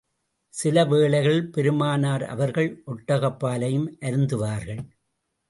சில வேளைகளில், பெருமானார் அவர்கள் ஒட்டகப் பாலையும் அருந்துவார்கள்.